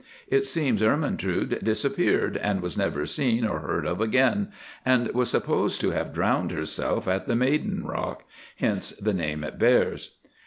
It seems Ermentrude disappeared, and was never seen or heard of again, and was supposed to have drowned herself at the Maiden Rock—hence the name it bears.